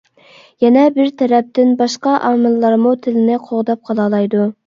يەنە بىر تەرەپتىن، باشقا ئامىللارمۇ تىلنى قوغداپ قالالايدۇ.